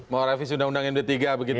mau revisi undang undang yang ketiga begitu ya